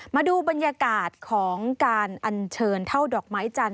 มาดูบรรยากาศของการอัญเชิญเท่าดอกไม้จันท